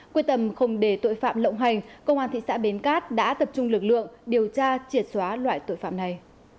quyết tâm không để tội phạm lộng hành công an thị xã bến cát đã tập trung lực lượng điều tra triệt xóa loại tội phạm này